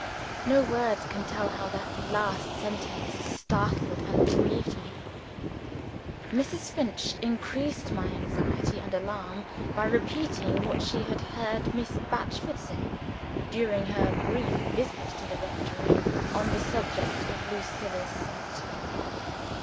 No words can tell how that last sentence startled and grieved me. Mrs. Finch increased my anxiety and alarm by repeating what she had heard Miss Batchford say, during her brief visit to the rectory, on the subject of Lucilla's sight.